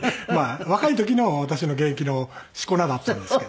若い時の私の現役の四股名だったんですけど。